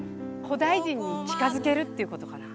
古代人に近づけるっていうことかな？